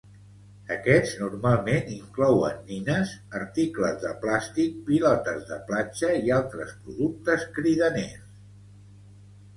Aquests normalment inclouen nines, articles de plàstic, pilotes de platja i altres productes cridaners.